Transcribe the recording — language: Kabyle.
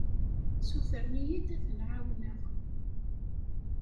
Ssutren-iyi-d ad ten-ɛawneɣ.